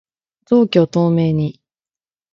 臓器を透明に